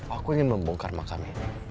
aku ingin membongkar makam ini